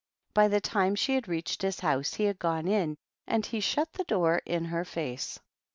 By the tim( she had reached his house he had gone in, anc he shut the door in 'her face.